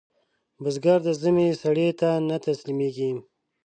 بزګر د ژمي سړې ته نه تسلېږي